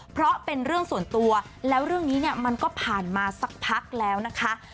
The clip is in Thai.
เพราะเป็นเรื่องส่วนตัวแล้วเรื่องนี้เนี่ยมันก็ผ่านมาสักพักแล้วนะคะ